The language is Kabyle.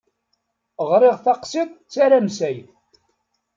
Ɣriɣ taqsiṭ d taramsayt.